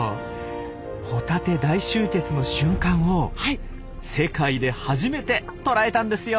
ホタテ大集結の瞬間を世界で初めて捉えたんですよ！